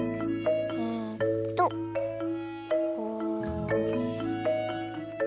えっとこうして。